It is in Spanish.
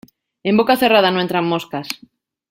En boca cerrada no entran moscas.